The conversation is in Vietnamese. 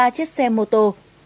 một mươi ba chiếc xe mô tô